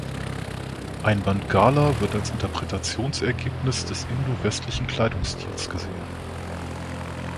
Ein Bandgala wird als Interpretationsergebnis des indo-westlichen Kleidungsstils gesehen.